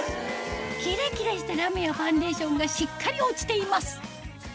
キラキラしたラメやファンデーションがしっかり落ちています